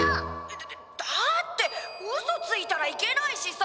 「だだだってうそついたらいけないしさ」。